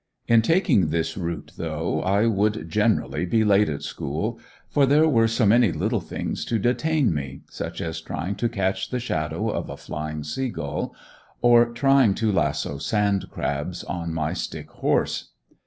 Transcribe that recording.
In taking this route though, I would generally be late at school, for there were so many little things to detain me such as trying to catch the shadow of a flying sea gull, or trying to lasso sand crabs on my stick horse.